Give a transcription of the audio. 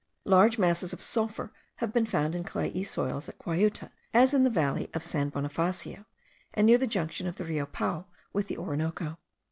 Large masses of sulphur have been found in clayey soils at Guayuta, as in the valley of San Bonifacio, and near the junction of the Rio Pao with the Orinoco.